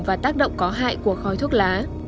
và tác động có hại của khói thuốc lá